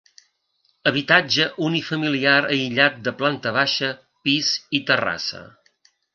Habitatge unifamiliar aïllat de planta baixa, pis i terrassa.